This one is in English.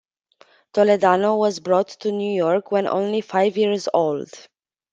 Toledano was brought to New York when only five years old.